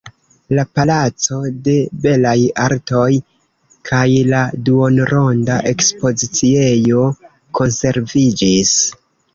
La "palaco de belaj artoj" kaj la duonronda ekspoziciejo konserviĝis.